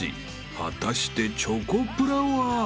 ［果たしてチョコプラは］